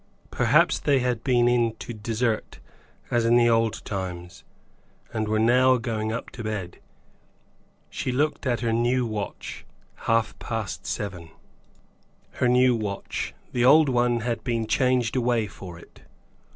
Perhaps they had been in to desert, as in the old times, and were now going up to bed. She looked at her new watch half past seven. Her new watch. The old one had been changed away for it.